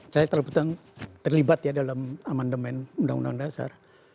saya terlibat ya dalam amandemen undang undang dasar